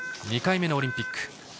２回目のオリンピック。